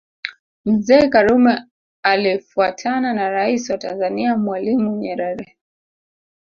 Mzee Karume alifuatana na Rais wa Tanzania Mwalimu Nyerere